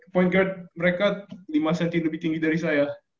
point guard mereka lima cm lebih tinggi dari saya